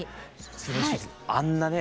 あんなね